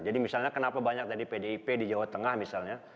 misalnya kenapa banyak tadi pdip di jawa tengah misalnya